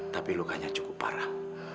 tapi lukanya cukup parah